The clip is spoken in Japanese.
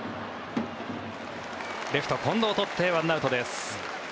レフト、近藤がとって１アウトです。